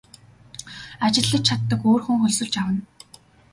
Ажиллаж чаддаг өөр хүн хөлсөлж авна.